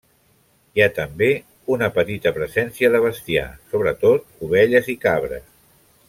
Hi ha també una petita presència de bestiar, sobretot ovelles i cabres.